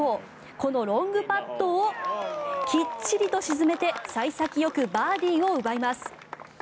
４このロングパットをきっちりと沈めて幸先よくバーディーを奪います。